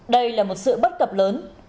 đây là một sự bất cập lớn